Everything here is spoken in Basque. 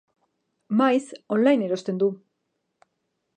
Maiz online erosten du.